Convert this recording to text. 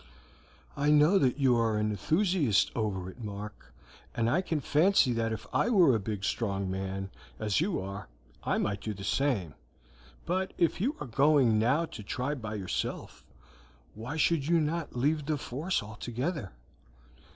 "I know that you are an enthusiast over it, Mark, and I can fancy that if I were a big strong man, as you are, I might do the same; but if you are going now to try by yourself, why should you not leave the force altogether?"